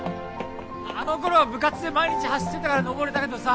あの頃は部活で毎日走ってたからのぼれたけどさ。